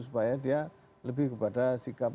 supaya dia lebih kepada sikap